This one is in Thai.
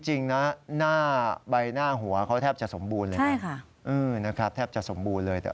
จริงนะหน้าใบหน้าหัวเขาแทบจะสมบูรณ์เลยนะแทบจะสมบูรณ์เลย